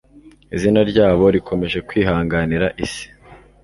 izina ryabo rikomeje kwihanganira isi